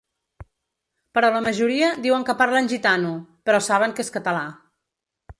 Però la majoria diuen que parlen gitano, però saben que és català.